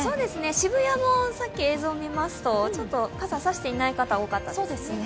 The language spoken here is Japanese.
渋谷もさっき映像を見ますと、傘を差していない方が多かったですね。